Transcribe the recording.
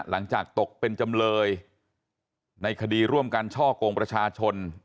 หลังจากตกเป็นจำเลยในคดีร่วมกันช่อกงประชาชน